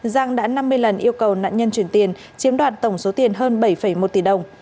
giang đã năm mươi lần yêu cầu nạn nhân chuyển tiền chiếm đoạt tổng số tiền hơn bảy một tỷ đồng